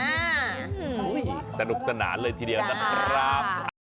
โอ้โหสนุกสนานเลยทีเดียวนะครับ